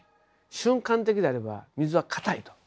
瞬間的であれば水は硬いと。